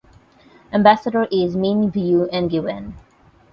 Ambassador is Minh Vu Nguyen.